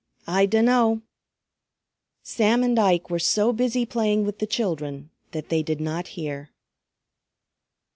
I dunno!" Sam and Ike were so busy playing with the children that they did not hear.